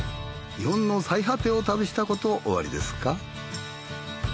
日本の最果てを旅したことおありですか？